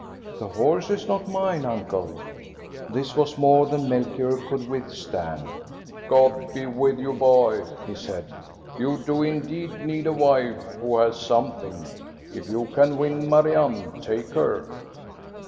" The horse is not mine, uncle." This was more than Melchior could withstand. " God be with you, boy, " he said. You do indeed need a wife who has something. If you can win Marianne, take her."